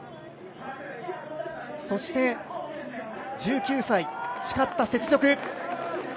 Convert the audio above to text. そして、１９歳、誓った雪辱。